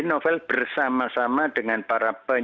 novel bersama sama dengan para